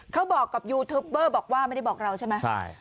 เขาบอกกับยูทูปเบอร์บอกว่าไม่ได้บอกเราใช่ไหมใช่